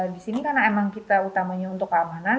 disini karena emang kita utamanya untuk keamanan